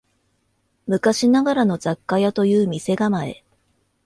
昔ながらの雑貨屋という店構え